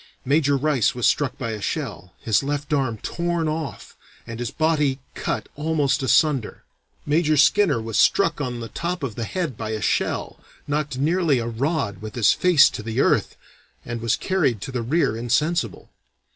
Major Rice was struck by a shell, his left arm torn off, and his body cut almost asunder. Major Skinner was struck on the top of the head by a shell, knocked nearly a rod with his face to the earth, and was carried to the rear insensible.